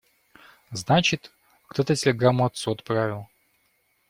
Значит, кто-то телеграмму отцу отправил.